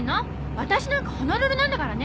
わたしなんかホノルルなんだからね！